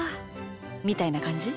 みたいなかんじ？